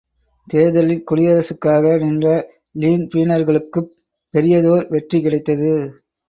தேர்தலில் குடியரசுக்காக நின்ற லின்பீனர்களுக்குப் பெரியதோர் வெற்றி கிடைத்தது.